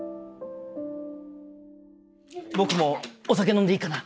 僕もお酒飲んでいいかな。